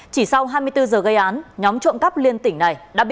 chỉ sau hai mươi bốn giờ gây án nhóm trộm cắp liên tỉnh này đã bị